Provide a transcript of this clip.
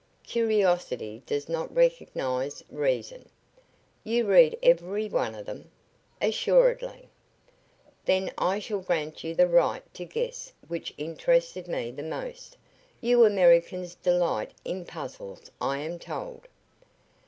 "Curiosity does not recognize reason." "You read every one of them?" "Assuredly." "Then I shall grant you the right to guess which interested me the most. You Americans delight in puzzles, I am told."